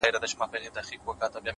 خپل کار په غوره ډول ترسره کړئ،